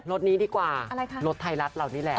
รถนี้ดีกว่ารถไทยรัฐเรานี่แหละ